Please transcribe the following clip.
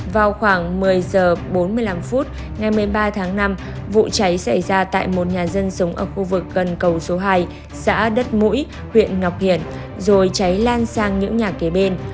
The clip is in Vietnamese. vào khoảng một mươi h bốn mươi năm phút ngày một mươi ba tháng năm vụ cháy xảy ra tại một nhà dân sống ở khu vực gần cầu số hai xã đất mũi huyện ngọc hiển rồi cháy lan sang những nhà kế bên